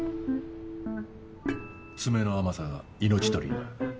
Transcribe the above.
詰めの甘さが命取りになる。